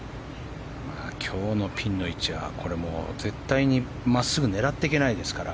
今日のピンの位置は絶対に真っすぐ狙っていけないですから。